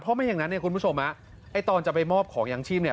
เพราะไม่อย่างนั้นเนี่ยคุณผู้ชมฮะไอ้ตอนจะไปมอบของยางชีพเนี่ย